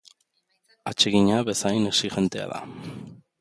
Atsegina bezain exigentea da.